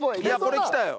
これ来たよ。